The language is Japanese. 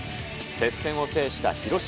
接戦を制した広島。